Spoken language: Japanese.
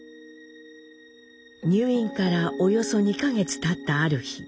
入院からおよそ２か月たったある日。